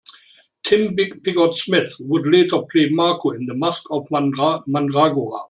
Tim Pigott-Smith would later play Marco in "The Masque of Mandragora".